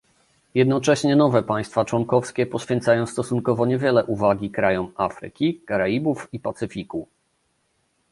Jednocześnie nowe państwa członkowskie poświęcają stosunkowo niewiele uwagi krajom Afryki, Karaibów i Pacyfiku